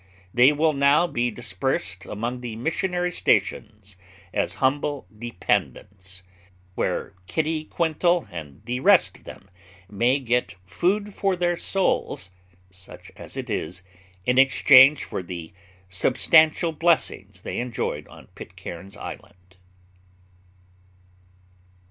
They will now be dispersed among the missionary stations as humble dependents, where Kitty Quintal and the rest of them may get 'food for their souls,' such as it is, in exchange for the substantial blessings they enjoyed on Pitcairn's Island.